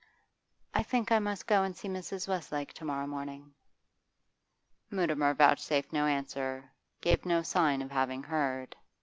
'I think I must go and see Mrs. Westlake to morrow morning.' Mutimer vouchsafed no answer, gave no sign of having heard.